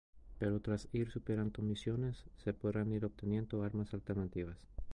Pero tras ir superando misiones, se podrán ir obteniendo armas alternativas.